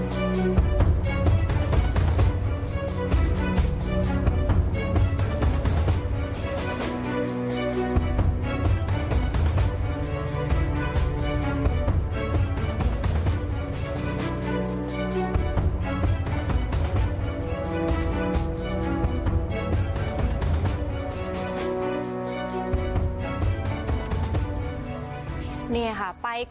สวัสดีครับสวัสดีครับสวัสดีครับ